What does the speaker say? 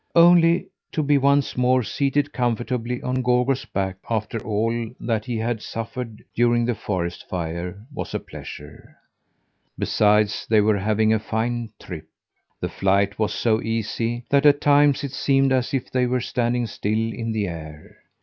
Only to be once more seated comfortably on Gorgo's back, after all that he had suffered during the forest fire, was a pleasure. Besides, they were having a fine trip. The flight was so easy that at times it seemed as if they were standing still in the air.